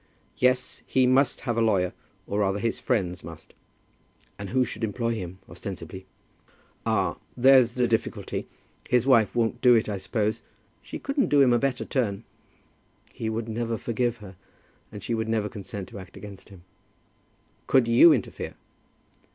"Yes, he must have a lawyer; or rather his friends must." "And who should employ him, ostensibly?" "Ah; there's the difficulty. His wife wouldn't do it, I suppose? She couldn't do him a better turn." "He would never forgive her. And she would never consent to act against him." "Could you interfere?"